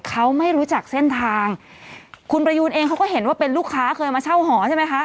เขาไม่รู้จักเส้นทางคุณประยูนเองเขาก็เห็นว่าเป็นลูกค้าเคยมาเช่าหอใช่ไหมคะ